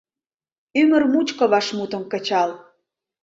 Ӱмыр мучко вашмутым кычал